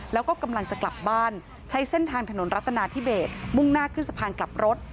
แล้วก็กำลังจะกลับบ้านใช้เส้นทางถนนรัฐนาธิเบสมุ่งหน้าขึ้นสะพานกลับรถ